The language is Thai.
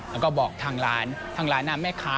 แล้วก็บอกทางร้านทางร้านแม่ค้า